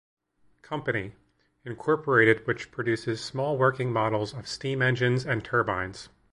Company, Incorporated which produces small working models of steam engines and turbines.